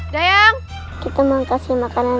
dahiyaa itu ga ada mas kesayangan